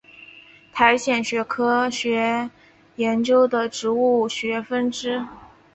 苔藓学科学研究的植物学分支。